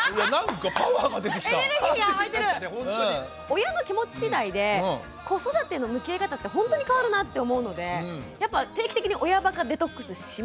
親の気持ちしだいで子育ての向き合い方ってほんとに変わるなって思うのでやっぱ定期的に親バカデトックスしましょう。